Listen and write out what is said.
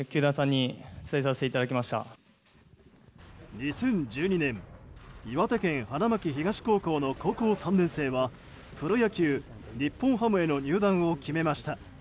２０１２年岩手県花巻東高校の高校３年生はプロ野球日本ハムへの入団を決めました。